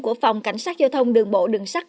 của phòng cảnh sát giao thông đường bộ đường sắt